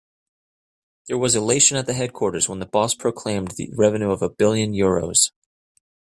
There was elation at the headquarters when the boss proclaimed the revenue of a billion euros.